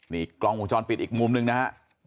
นี่กล้องมุมช้อนปิดอีกมุมนึงนะฮะ